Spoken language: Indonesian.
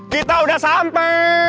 kita udah sampe